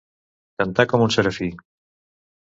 Cantar com un serafí.